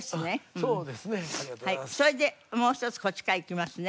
それでもう一つこっちからいきますね。